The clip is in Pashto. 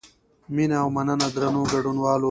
مینه او مننه درنو ګډونوالو.